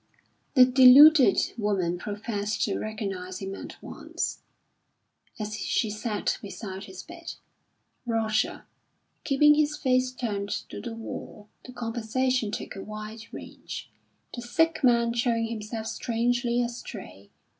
The deluded woman professed to recognise him at once. As she sat beside his bed, "Roger" keeping his face turned to the wall, the conversation took a wide range, the sick man showing himself strangely astray.